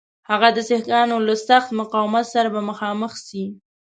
هغه د سیکهانو له سخت مقاومت سره به مخامخ سي.